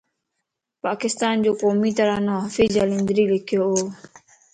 پاڪستانَ جو قومي ترانو حفيظ جالندھريءَ لکيووَ